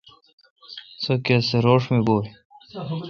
تو کس تھ روݭ گویہ۔